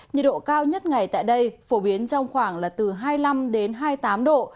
nhiệt độ cao nhất ngày tại đây phổ biến trong khoảng là từ hai mươi năm đến hai mươi tám độ